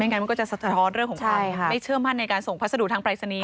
งั้นมันก็จะสะท้อนเรื่องของความไม่เชื่อมั่นในการส่งพัสดุทางปรายศนีย์